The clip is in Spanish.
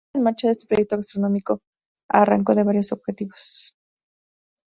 La puesta en marcha de este proyecto gastronómico arrancó de varios objetivos.